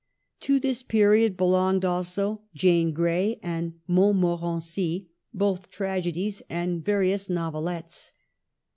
29 To this period belong also Jane Grey and Mont morency, both tragedies, and various novelettes.